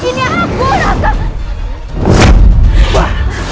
ini aku raka